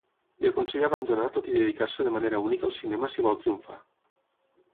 Li aconsella abandonar tot i dedicar-se de manera única al cinema si vol triomfar.